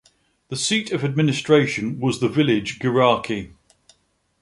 The seat of administration was the village Geraki.